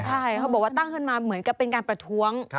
ใช่เขาบอกว่าตั้งขึ้นมาเหมือนกับเป็นการประท้วง